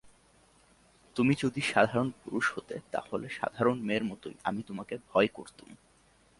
তুমি যদি সাধারণ পুরুষ হতে তাহলে সাধারণ মেয়ের মতোই আমি তোমাকে ভয় করতুম।